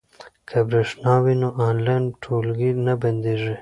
که برېښنا وي نو آنلاین ټولګی نه بندیږي.